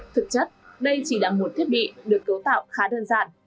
thực chất đây chỉ là một thiết bị được cấu tạo khá đơn giản